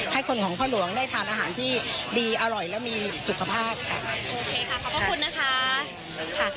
ให้คนของพ่อหลวงได้ทานอาหารที่ดีอร่อยและมีสุขภาพค่ะโอเคค่ะขอบพระคุณนะคะค่ะ